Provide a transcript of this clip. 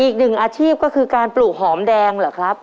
อีกหนึ่งอาชีพก็คือการปลูกหอมแดงเหรอครับ